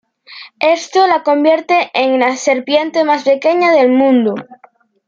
Esto la convierte en la serpiente más pequeña del mundo.